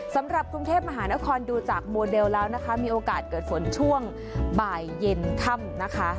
สำหรับกรุงเทพมหานครดูจากโมเดลแล้วนะคะมีโอกาสเกิดฝนช่วงบ่ายเย็นค่ำนะคะ